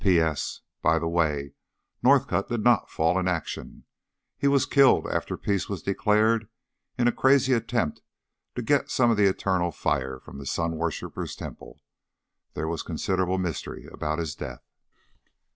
"P.S. By the way, Northcott did not fall in action. He was killed after peace was declared in a crazy attempt to get some of the eternal fire from the sun worshippers' temple. There was considerable mystery about his death."